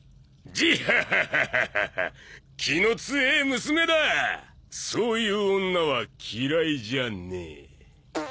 ジハハハハハハッ気の強ぇ娘だそういう女は嫌いじゃねえ